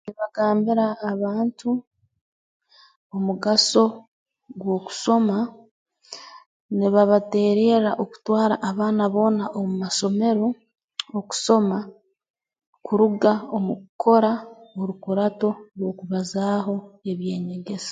Nibagambira abantu omugaso gw'okusoma nibabateererra okutwara abaana boona omu masomero okusoma kuruga omu kukora orukurato rw'okubazaaho eby'enyegesa